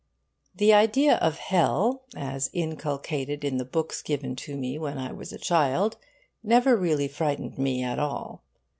The idea of hell, as inculcated in the books given to me when I was a child, never really frightened me at all.